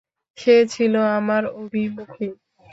সে ছিল আমার অভিমুখী।